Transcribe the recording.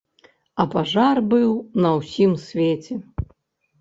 А пажар быў на ўсім свеце.